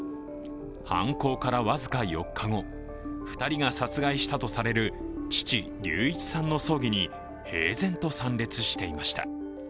犯行から僅か４日後、２人が殺害したとされる父・隆一さんの葬儀に平然と参列していました。